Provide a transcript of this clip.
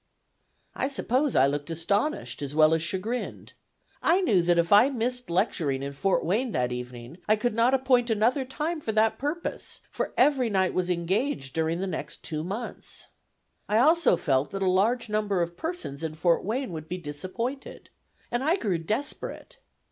I suppose I looked astonished, as well as chagrined. I knew that if I missed lecturing in Fort Wayne that evening, I could not appoint another time for that purpose, for every night was engaged during the next two months. I also felt that a large number of persons in Fort Wayne would be disappointed, and I grew desperate.